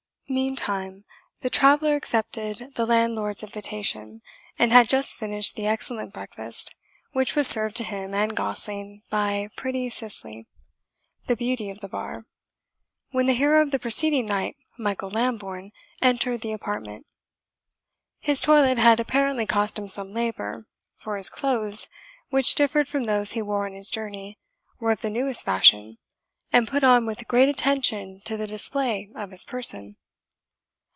Meantime, the traveller accepted the landlord's invitation, and had just finished the excellent breakfast, which was served to him and Gosling by pretty Cicely, the beauty of the bar, when the hero of the preceding night, Michael Lambourne, entered the apartment. His toilet had apparently cost him some labour, for his clothes, which differed from those he wore on his journey, were of the newest fashion, and put on with great attention to the display of his person.